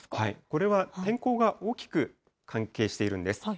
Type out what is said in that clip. これは天候が大きく関係しているんです。